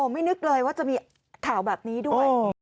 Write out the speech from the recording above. ไม่นึกเลยว่าจะมีข่าวแบบนี้ด้วย